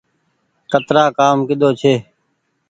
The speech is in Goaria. ڪترآ ڪآم ڪيۮو ڇي۔